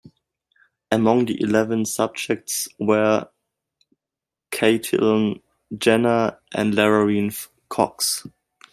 Among the eleven subjects were Caitlyn Jenner and Laverne Cox.